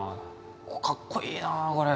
かっこいいなこれ。